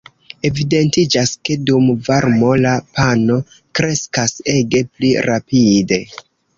Evidentiĝas ke dum varmo la "pano" kreskas ege pli rapide.